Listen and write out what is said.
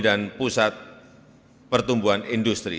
dan pusat pertumbuhan industri